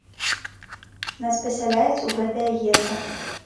І нас пасяляюць у гэтае гета.